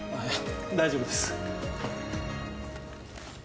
大丈夫です。